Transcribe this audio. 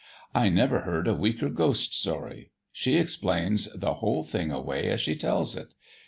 "I never heard a weaker ghost story. She explains the whole thing away as she tells it.